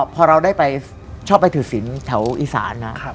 พอเราได้ไปชอบไปถือศิลป์แถวอีสานนะ